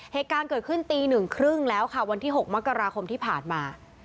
เหตุการณ์เกิดขึ้นตีหนึ่งครึ่งแล้วค่ะวันที่๖มกราคมที่ผ่านมา